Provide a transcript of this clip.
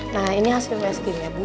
nah ini hasil wsg nya bu